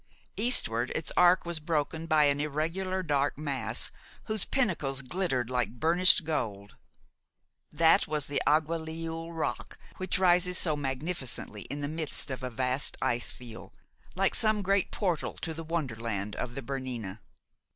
Eastward its arc was broken by an irregular dark mass, whose pinnacles glittered like burnished gold. That was the Aguagliouls Rock, which rises so magnificently in the midst of a vast ice field, like some great portal to the wonderland of the Bernina.